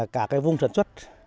cả cái vùng sản xuất